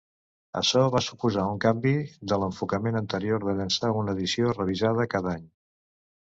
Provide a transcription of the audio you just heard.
Açò va suposar un canvi de l'enfocament anterior de llançar una edició revisada cada any.